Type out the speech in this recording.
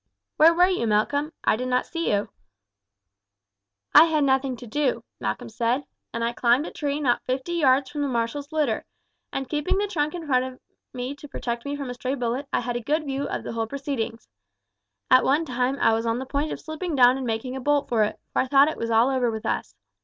"Where were you, Malcolm? I did not see you." "I had nothing to do," Malcolm said, "and I climbed a tree not fifty yards from the marshal's litter, and keeping the trunk in front of me to protect me from a stray bullet I had a good view of the whole proceedings. At one time I was on the point of slipping down and making a bolt for it, for I thought it was all over with us.